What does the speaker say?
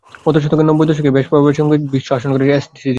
গত শতকের নব্বইয়ের দশকে বেশ প্রভাবের সঙ্গে সংগীত বিশ্ব শাসন করেছে এসিডিসি।